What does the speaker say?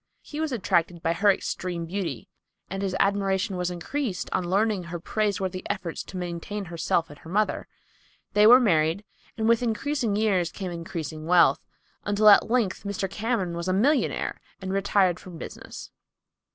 He was attracted by her extreme beauty and his admiration was increased on learning her praiseworthy efforts to maintain herself and mother. They were married, and with increasing years came increasing wealth, until at length Mr. Cameron was a millionaire and retired from business.